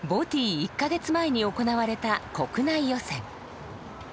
１か月前に行われた国内予選。